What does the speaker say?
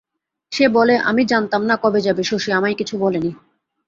সে বলে, আমি জানতাম না, কবে যাবে শশী, আমায় কিছু বলেনি।